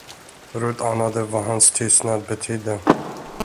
Rut anade vad hans tystnad betydde.